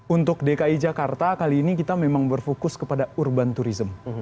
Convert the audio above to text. untuk dki jakarta kali ini kita memang berfokus kepada urban tourism